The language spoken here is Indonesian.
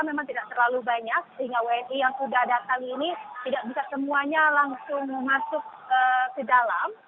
memang tidak terlalu banyak sehingga wni yang sudah datang ini tidak bisa semuanya langsung masuk ke dalam